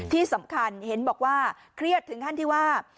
ที่สำคัญเห็นบอกว่าเครียดถึงขั้นที่ว่า